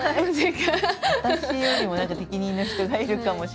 私よりも何か適任の人がいるかもしれない。